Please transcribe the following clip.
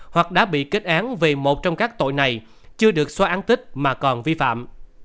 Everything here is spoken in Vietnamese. hoặc đã bị kết án vì một trong các tội này chưa được xóa án tích mà còn vi phạm